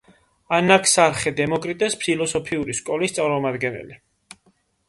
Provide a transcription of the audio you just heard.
ანაქსარხე დემოკრიტეს ფილოსოფიური სკოლის წარმომადგენელი.